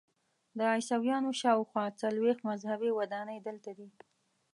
د عیسویانو شاخوا څلویښت مذهبي ودانۍ دلته دي.